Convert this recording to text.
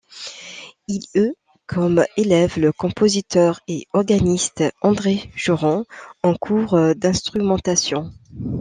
Il eut comme élève le compositeur et organiste André Jorrand en cours d'instrumentation.